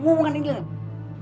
hubungan ini lho